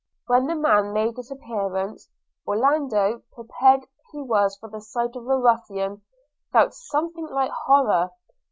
When the man made his appearance, Orlando, prepared as he was for the sight of a ruffian, felt something like horror.